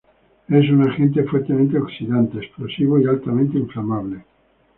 Es un agente fuertemente oxidante, explosivo y altamente inflamable.